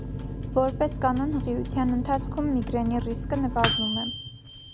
Որպես կանոն հղիության ընթացքում միգրենի ռիսկը նվազում է։